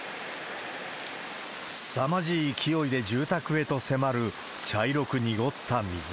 すさまじい勢いで住宅へと迫る茶色く濁った水。